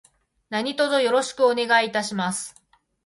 何卒よろしくお願いいたします。